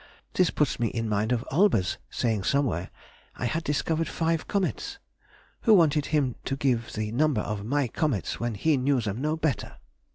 This puts one in mind of Olbers saying somewhere, I had discovered five comets. Who wanted him to give the number of my comets when he knew them no better?